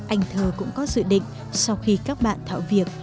anh thơ cũng có dự định sau khi các bạn thạo việc